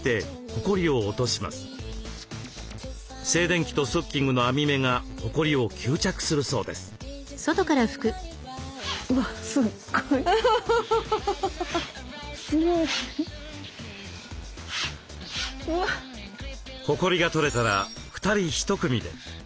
ほこりが取れたら２人１組で。